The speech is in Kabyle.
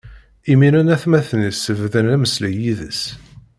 Imiren atmaten-is bdan ameslay yid-s.